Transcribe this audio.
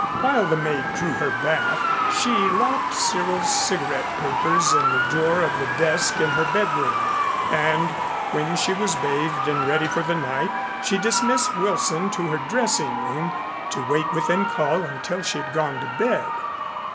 While the maid drew her bath she locked Cyril's cigarette papers in the drawer of the desk in her bedroom, and when she was bathed and ready for the night she dismissed Wilson to her dressing room to wait within call until she had gone to bed.